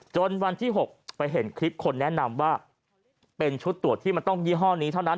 วันที่๖ไปเห็นคลิปคนแนะนำว่าเป็นชุดตรวจที่มันต้องยี่ห้อนี้เท่านั้น